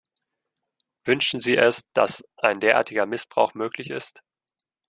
Wünschen Sie es, dass ein derartiger Missbrauch möglich ist?